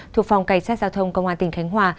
thuộc phòng cảnh sát giao thông công an tỉnh khánh hòa